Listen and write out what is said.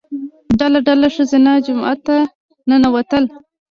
ډله ډله ښځینه جومات ته ننوتل.